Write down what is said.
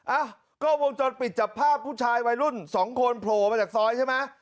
อ่ะกล้องวงจรปิดจับภาพผู้ชายวัยรุ่นสองคนโผล่มาจากซอยใช่ไหม